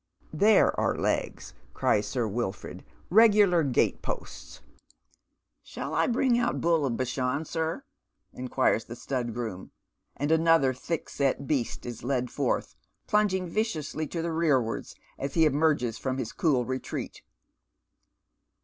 " There are legs," cries Sir Wilford, " regular gateposts !"" Shall I bring out Bull of Bashan, sir ?" inquires the stud groom, and another thick set beast is led forth, plunging viciously to the rearwards as he emerges from his cool retreat.